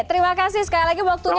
terima kasih sekali lagi